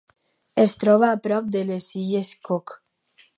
Es troba a prop de les Illes Cook.